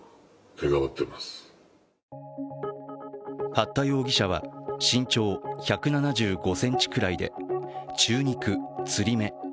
八田容疑者は身長１７５ｃｍで中肉つり目。